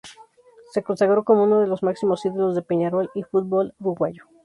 Se consagró como unos de los máximos ídolos de Peñarol y del fútbol uruguayo.